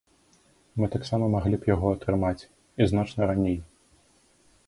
Мы таксама маглі б яго атрымаць, і значна раней.